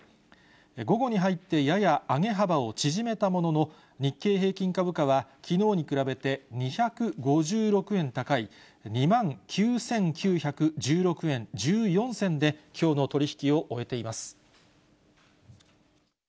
午後に入って、やや上げ幅を縮めたものの、日経平均株価はきのうに比べて、２５６円高い２万９９１６円１４銭できょうの取り引きを終えています。